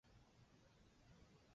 勒索莱。